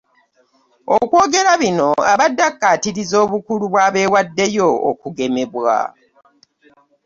Okwogera bino abadde akkaatiriza obukulu bw'abeewaddeyo okugemebwa.